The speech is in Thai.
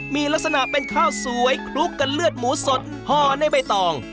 มีลักษณะเป็นข้าวสวยคลุกกันเลือดหมูสดห่อในใบตอง